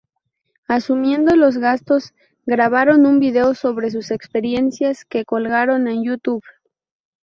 Asumiendo los gastos, grabaron un video sobre sus experiencias que colgaron en YouTube.